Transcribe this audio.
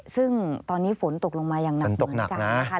ซึ่งตอนนี้ฝนตกลงมายังหนักเหมือนกัน